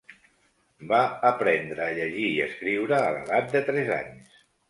Va aprendre a llegir i escriure a l'edat de tres anys.